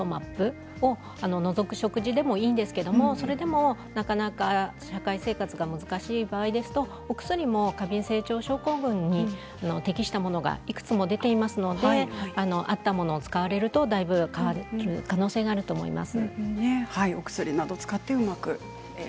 それを除く食事でもいいんですけれどなかなか社会生活が難しい場合でしたら、お薬も過敏性腸症候群に適したものがいくつも出ていますので合ったものを使えばだいぶ可能性があると思います。